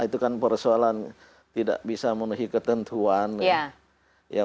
itu kan persoalan tidak bisa memenuhi ketentuan